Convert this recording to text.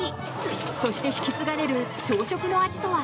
そして引き継がれる朝食の味とは？